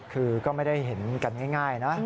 คือก็ไม่ได้เห็นกันง่ายนะ